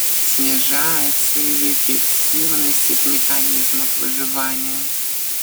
Снижается и эффективность их механизмов выживания.